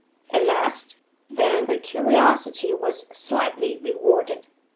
At last, then, her curiosity was slightly rewarded.